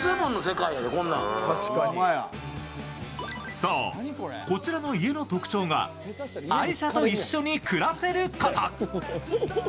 そう、こちらの家の特徴が愛車と一緒に暮らせること。